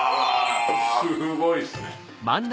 すごいですね。